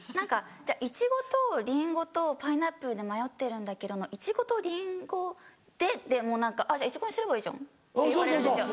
「イチゴとリンゴとパイナップルで迷ってるんだけど」の「イチゴとリンゴ」でもう「イチゴにすればいいじゃん」って言われるんですよ。